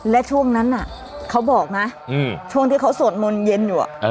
และช่วงนั้นเขาบอกนะช่วงที่เขาสวดมนต์เย็นอยู่